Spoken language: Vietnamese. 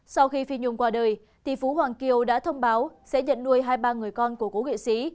sau khi phi nhung qua đời thì phú hoàng kiều đã thông báo sẽ nhận nuôi hai ba người con của cố nghệ sĩ